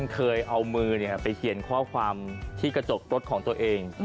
เคยเอามือไปเขียนข้อความที่กระจกรถของตัวเอง